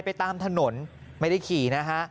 ไปตามถนนไม่ได้ขี่นะฮะ